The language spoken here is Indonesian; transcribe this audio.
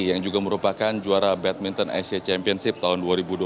yang juga merupakan juara badminton asia championship tahun dua ribu dua puluh